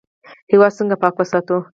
هیواد څنګه پاک وساتو؟